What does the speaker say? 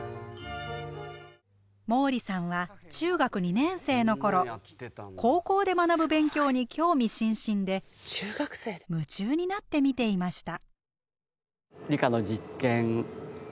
毛利さんは中学２年生の頃高校で学ぶ勉強に興味津々で夢中になって見ていました。